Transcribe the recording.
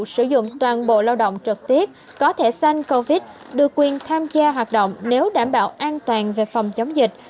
sử dụng toàn bộ lao động trực tiếp có thể xanh covid được quyền tham gia hoạt động nếu đảm bảo an toàn về phòng chống dịch